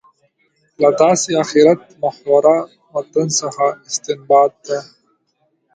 له داسې آخرت محوره متن څخه استنباط ده.